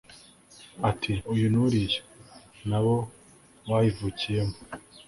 ati uyu n'uriya, na bo bayivukiyemo